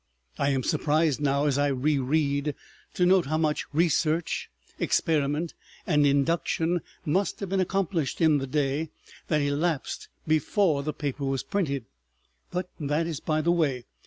I am surprised now, as I reread, to note how much research, experiment, and induction must have been accomplished in the day that elapsed before the paper was printed. ... But that is by the way.